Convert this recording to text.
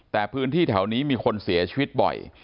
แต่พื้นที่แถวนี้มีคนเสียชีวิตบ่อย